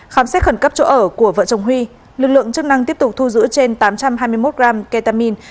khám xét khẩn cấp chỗ ở của vợ chồng huy lực lượng chức năng tiếp tục thu giữ trên tám trăm hai mươi một gram ketamine